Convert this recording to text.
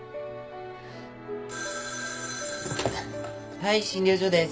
☎はい診療所です。